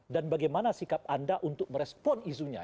dan bagaimana sikap anda untuk merespon izunya